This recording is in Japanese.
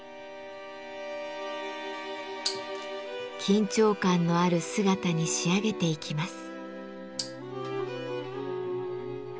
緊張感のある姿に仕上げていきます。